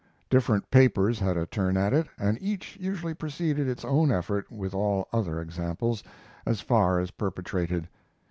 Different papers had a turn at it, and each usually preceded its own effort with all other examples, as far as perpetrated.